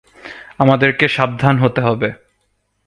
আমাদেরকে সাবধান হতে হবে।